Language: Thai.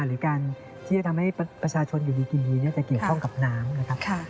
หรือการที่จะทำให้ประชาชนอยู่ดีกินดีจะเกี่ยวข้องกับน้ำนะครับ